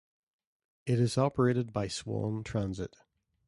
It is operated by Swan Transit.